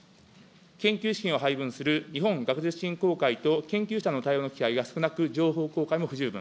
研究資金を配分する日本学術振興会と研究者の対話の機会が少なく、情報公開も不十分。